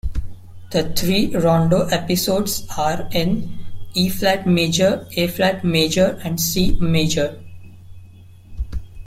The three rondo episodes are in E-flat major, A-flat major, and C major.